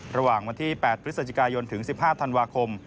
ระหว่างวันที่๘พฤศจิกายนถึง๑๕ธันวาคม